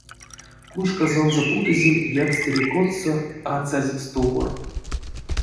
Куншказонзо путозель якстере коцтсо ацазь стувор.